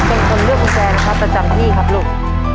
เป็นคนเลือกกุญแจนะครับประจำที่ครับลูก